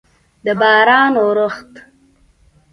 د باران اورښت